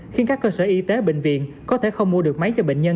khiến các cơ sở y tế bệnh viện có thể không mua được máy cho bệnh nhân